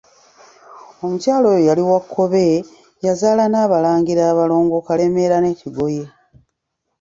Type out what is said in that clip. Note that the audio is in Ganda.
Omukyala oyo yali wa Kkobe, yazaala n'abalangira abalongo Kalemeera ne Kigoye.